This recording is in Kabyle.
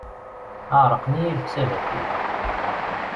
Ɛeṛṛqen-iyi leḥsabat-iw.